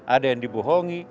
ada yang dibohongi